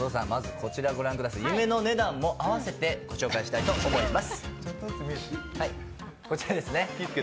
こちら御覧ください、夢の値段も合わせて御紹介したいと思います。